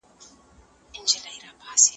ميرويس خان نيکه څنګه د خپلو پرېکړو ملاتړ پيدا کړ؟